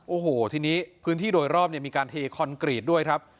โอ้โหทีนี้พื้นที่โดยรอบเนี่ยมีการเทคอนกรีตด้วยครับ